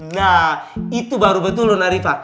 nah itu baru betul nona riva